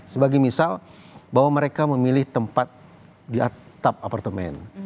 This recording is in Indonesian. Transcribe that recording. sebagai misal bahwa mereka memilih tempat di atap apartemen